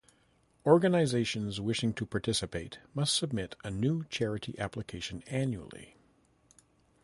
Organizations wishing to participate must submit a new charity application annually.